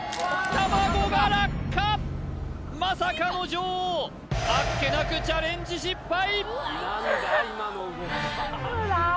まさかの女王あっけなくチャレンジ失敗！